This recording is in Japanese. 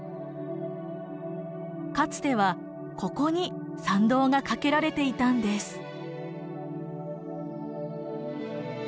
かつてはここに桟道がかけられていたんです。